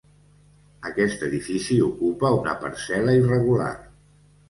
Aquest edifici ocupa una parcel·la irregular.